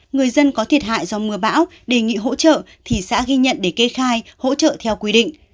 người dân có thiệt hại do mưa bão đề nghị hỗ trợ thì xã ghi nhận để kê khai hỗ trợ theo quy định